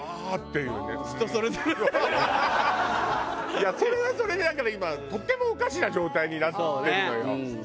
いやそれはそれでだから今とてもおかしな状態になってるのよ。